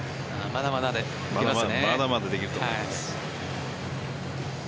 まだまだできると思います。